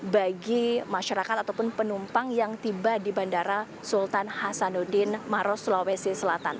bagi masyarakat ataupun penumpang yang tiba di bandara sultan hasanuddin maros sulawesi selatan